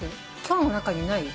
今日の中にない？